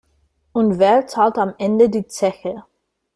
Und wer zahlt am Ende die Zeche?